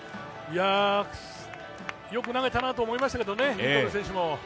よく投げたなと思いましたけどね、リトル選手も。